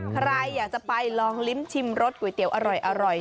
ใครอยากจะไปลองลิ้มชิมรสก๋วยเตี๋ยวอร่อย